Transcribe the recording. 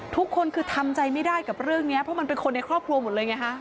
ทุกคนคือทำใจไม่ได้กับเรื่องนี้เพราะมันเป็นคนในครอบครัวหมดเลยไงฮะ